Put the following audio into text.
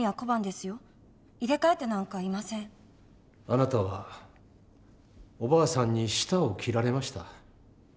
あなたはおばあさんに舌を切られました。